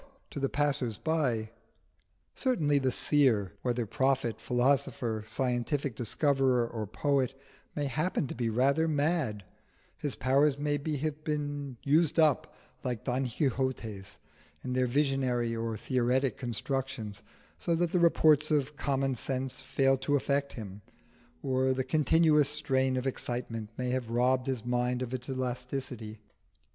to the passers by. Certainly the seer, whether prophet, philosopher, scientific discoverer, or poet, may happen to be rather mad: his powers may have been used up, like Don Quixote's, in their visionary or theoretic constructions, so that the reports of common sense fail to affect him, or the continuous strain of excitement may have robbed his mind of its elasticity.